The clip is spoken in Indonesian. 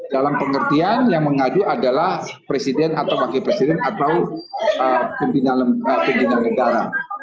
dalam pengertian yang mengadu adalah presiden atau wakil presiden atau pimpinan negara